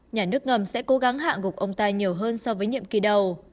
nhà nước ngầm sẽ cố gắng hạ gục ông ta nhiều hơn so với nhiệm kỳ đầu